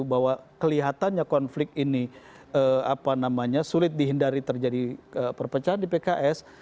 bahwa kelihatannya konflik ini sulit dihindari terjadi perpecahan di pks